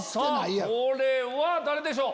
これは誰でしょう？